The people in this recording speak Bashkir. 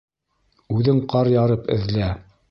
Үҙең ҡар ярып эҙлә.